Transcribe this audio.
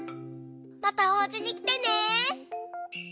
またおうちにきてね。